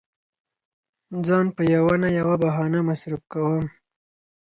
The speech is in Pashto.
ځان په يوه بهانه نه يوه بهانه مصروف کوم.